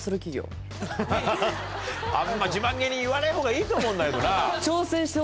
あんま自慢げに言わねえほうがいいと思うんだけどな。